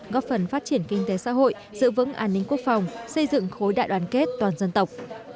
góp phần phát triển kinh tế xã hội giữ vững an ninh quốc phòng xây dựng khối đại đoàn kết toàn dân tộc